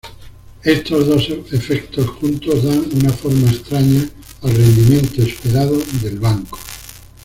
Estos dos efectos juntos dan una forma extraña al rendimiento esperado del banco.